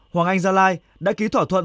hoàng anh gia lai đã ký thỏa thuận